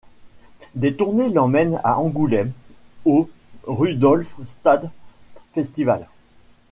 Des tournées l'emmènent à Angoulême, au Rudolfstatd Festival...